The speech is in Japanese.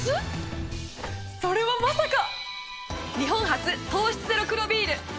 それはまさか！